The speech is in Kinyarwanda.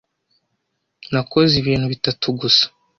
Nakoze ibintu bitatu gusa.